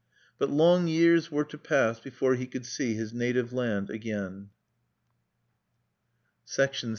But long years were to pass before he could see his native land again.